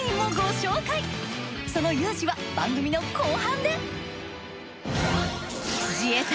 その雄姿は番組の後半で。